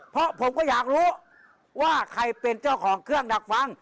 เพราะผมก็อยากรู้ว่าใครเป็นเจ้าของเครื่องดักฟัง